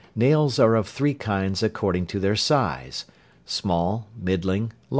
Nails are of three kinds according to their size, viz.: Small. Middling. Large.